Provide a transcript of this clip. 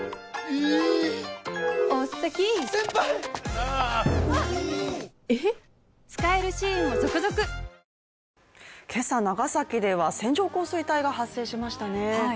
わぁ今朝、長崎では線状降水帯が発生しましたね。